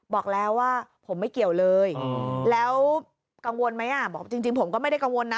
บอกแล้วว่าผมไม่เกี่ยวเลยแล้วกังวลไหมอ่ะบอกจริงผมก็ไม่ได้กังวลนะ